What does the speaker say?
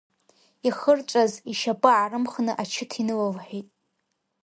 Ихырҵәаз ишьапы аарымхны, ачыҭ инылалҳәеит.